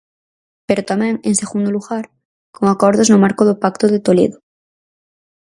Pero tamén, en segundo lugar, con acordos no marco do Pacto de Toledo.